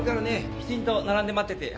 きちんと並んで待っててや。